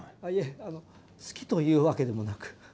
あいえ好きというわけでもなく。